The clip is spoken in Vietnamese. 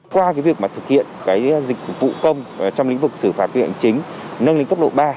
qua việc thực hiện dịch vụ công trong lĩnh vực xử phạt quyết định xử phạt hành chính nâng lĩnh cấp độ ba